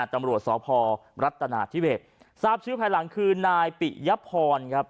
ตำรวจสพรัฐนาธิเวศทราบชื่อภายหลังคือนายปิยพรครับ